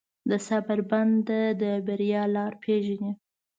د صبر بنده، د بریا لاره پېژني.